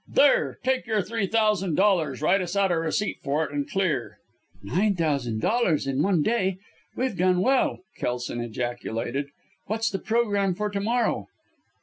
'There, take your three thousand dollars, write us out a receipt for it, and clear.'" "Nine thousand dollars in one day! We've done well," Kelson ejaculated. "What's the programme for to morrow?"